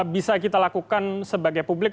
bisa kita lakukan sebagai publik